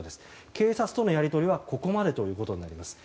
警察とのやり取りはここまでということになります。